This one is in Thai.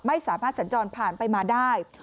ไม่สามารถสัญจรผ่านไปมาได้